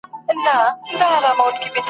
فتنه ګره اور د غم دي په ما بل دئ